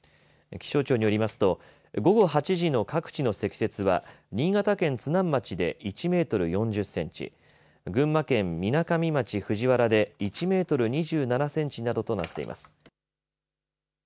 気象庁によりますと午後８時の各地の積雪は新潟県津南町で１メートル４０センチ群馬県みなかみ町藤原で１メートル２７センチなどとなっています。